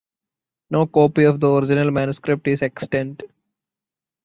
No copy of the original manuscript is extant.